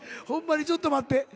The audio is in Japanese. ホンマにちょっと待って。